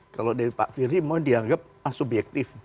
kalau dari pak firi mau dianggap asubjektif